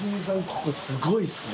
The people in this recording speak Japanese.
ここすごいっすね。